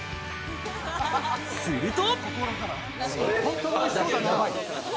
すると。